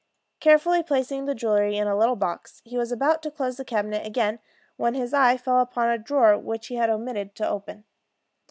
Carefully placing the jewelry in a little box, he was about to close the cabinet again, when his eye fell upon a drawer which he had omitted to open.